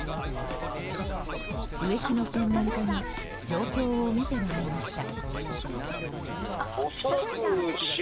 植木の専門家に状況を見てもらいました。